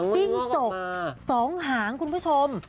จิ้งจก๒หางคุณผู้ชม